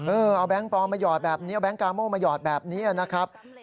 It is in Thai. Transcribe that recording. เออเอาแบงค์ปลอมมาหยอดแบบนี้เอาแก๊งกาโม่มาหยอดแบบนี้นะครับ